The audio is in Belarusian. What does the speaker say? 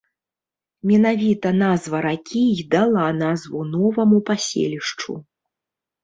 Менавіта назва ракі і дала назву новаму паселішчу.